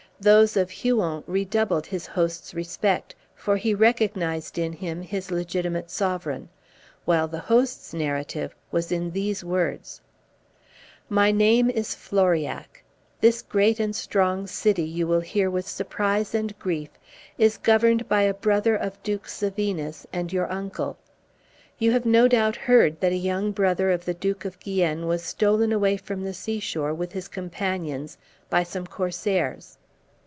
Those of Huon redoubled his host's respect; for he recognized in him his legitimate sovereign: while the host's narrative was in these words: "My name is Floriac; this great and strong city, you will hear with surprise and grief, is governed by a brother of Duke Sevinus, and your uncle. You have no doubt heard that a young brother of the Duke of Guienne was stolen away from the sea shore, with his companions, by some corsairs.